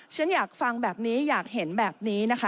ฉันอยากฟังแบบนี้อยากเห็นแบบนี้นะคะ